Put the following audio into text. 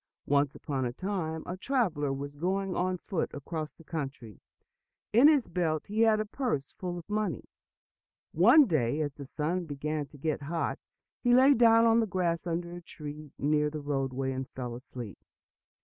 Once upon a time, a traveler was going on foot across the country. In his belt he had a purse full of money. One day, as the sun began to get hot, he lay down on the grass under a tree near the roadway, and fell asleep.